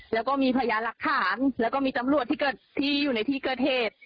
แล้วก็มีพยานหลักฐานแล้วก็มีตำรวจที่เกิดที่อยู่ในที่เกิดเหตุ